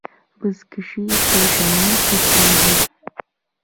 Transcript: بزکشي په شمال کې کیږي